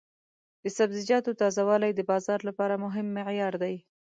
د سبزیجاتو تازه والی د بازار لپاره مهم معیار دی.